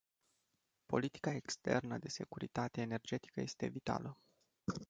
Politica externă de securitate energetică este vitală.